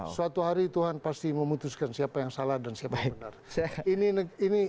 suatu hari tuhan pasti memutuskan siapa yang salah dan siapa yang benar